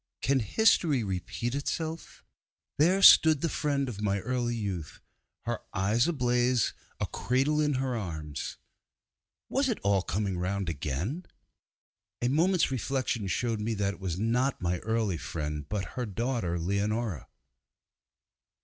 can history repeat itself? there stood the friend of my early youth, her eyes ablaze, a cradle in her arms. Was it all coming round again? A moment's reflection showed me that it was not my early friend, but her daughter, Leonora.